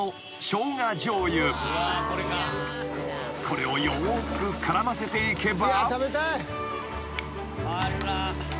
［これをよく絡ませていけば］